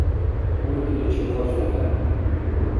Уркӏиличиб кьасла вегӏ